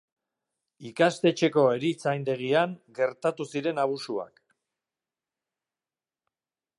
Ikastetxeko erizaindegian gertatu ziren abusuak.